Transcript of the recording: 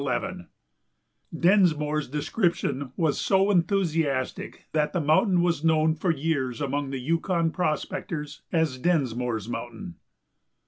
Densmore's description was so enthusiastic that the mountain was known for years among the Yukon prospectors as "Densmore's mountain."